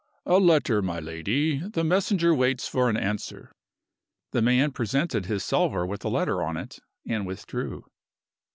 "A letter, my lady. The messenger waits for an answer." The man presented his salver with the letter on it, and withdrew.